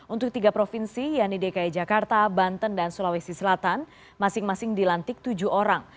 untuk tiga provinsi yaitu dki jakarta banten dan sulawesi selatan masing masing dilantik tujuh orang